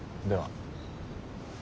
では。